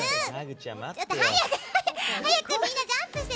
早くみんなジャンプして！